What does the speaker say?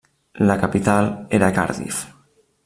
La capital era Cardiff.